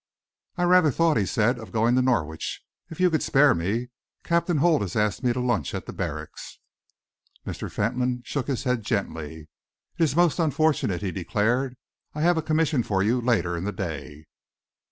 "I rather thought," he said, "of going into Norwich, if you could spare me. Captain Holt has asked me to lunch at the Barracks." Mr. Fentolin shook his head gently. "It is most unfortunate," he declared. "I have a commission for you later in the day."